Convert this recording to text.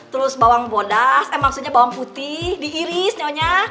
terus bawang bodas eh maksudnya bawang putih diiris nyonya